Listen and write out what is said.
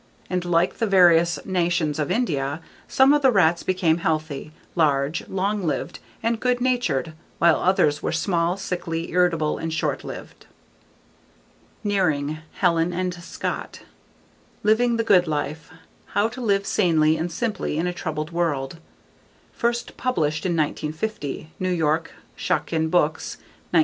And like the various nations of India, some of the rats became healthy, large, long lived, and good natured while others were small, sickly, irritable, and short lived. Nearing, Helen & Scott. Living the Good Life: How to Live Sanely and Simply in a Troubled World. First published in 1950. New York: Schocken Books, 1970.